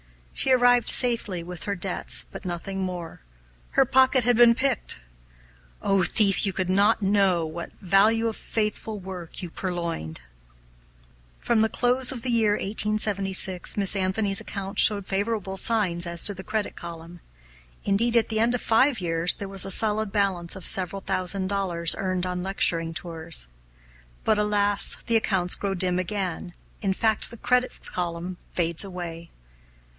She arrived safely with her debts, but nothing more her pocket had been picked! Oh, thief, could you but know what value of faithful work you purloined! From the close of the year 1876 Miss Anthony's accounts showed favorable signs as to the credit column. Indeed, at the end of five years there was a solid balance of several thousand dollars earned on lecturing tours. But alas! the accounts grow dim again in fact the credit column fades away.